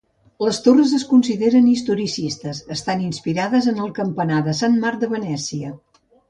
Les torres es consideren historicistes, estan inspirades en el campanar de Sant Marc de Venècia.